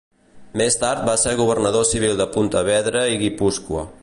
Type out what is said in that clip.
Més tard va ser governador civil de Pontevedra i Guipúscoa.